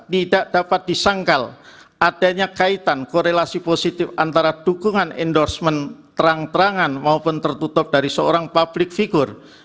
tidak dapat disangkal adanya kaitan korelasi positif antara dukungan endorsement terang terangan maupun tertutup dari seorang public figure